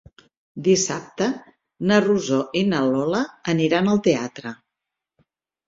Dissabte na Rosó i na Lola aniran al teatre.